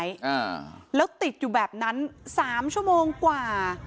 อ่าแล้วติดอยู่แบบนั้นสามชั่วโมงกว่า